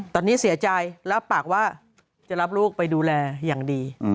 ตอนนี้เสียใจรับปากว่าจะรับลูกไปดูแลอย่างดี